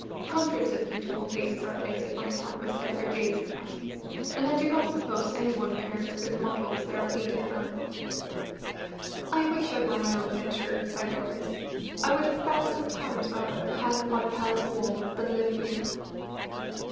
"Hundreds of beautiful faces are placed upon canvas every day," said Mattie; "and I do not suppose any one cares for the models they are painted from." "I wish I were my own picture," sighed Doris. "I would a thousand times rather hang upon a palace wall than live here."